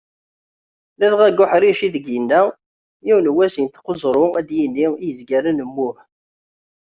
Ladɣa deg uḥric ideg yenna, "Yiwen wass yenṭeq uẓru, ad d-yini i yizgaren mmuh".